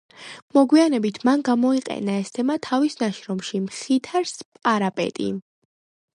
მოგვიანებით მან გამოიყენა ეს თემა თვის ნაშრომში „მხითარ სპარაპეტი“.